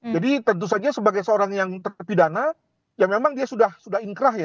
jadi tentu saja sebagai seorang yang terpidana ya memang dia sudah inkrah ya